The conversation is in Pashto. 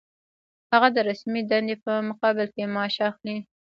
هغه د رسمي دندې په مقابل کې معاش اخلي.